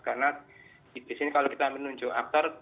karena disini kalau kita menunjuk aktor